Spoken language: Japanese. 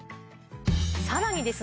さらにですね